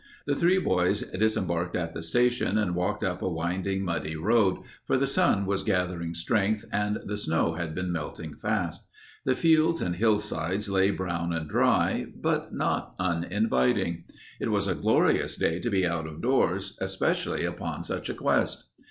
The three boys disembarked at the station and walked up a winding, muddy road, for the sun was gathering strength and the snow had been melting fast. The fields and hillsides lay brown and dry, but not uninviting. It was a glorious day to be out of doors, especially upon such a quest.